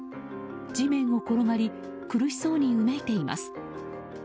地面を転がり苦しそうにうめいています。